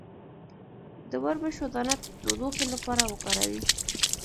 د وربشو دانه د تودوخې لپاره وکاروئ